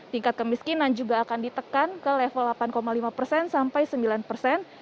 tingkat kemiskinan juga akan ditekan ke level delapan lima persen sampai sembilan persen